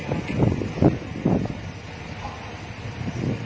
ถ้าไม่ได้ขออนุญาตมันคือจะมีโทษ